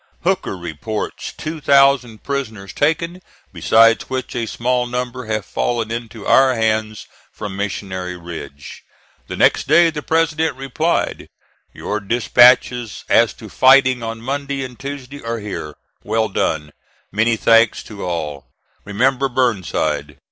Hooker reports two thousand prisoners taken, besides which a small number have fallen into our hands from Missionary Ridge." The next day the President replied: "Your dispatches as to fighting on Monday and Tuesday are here. Well done. Many thanks to all. Remember Burnside."